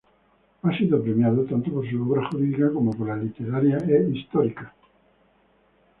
Ha sido premiado tanto por su obra jurídica como por la literaria e histórica.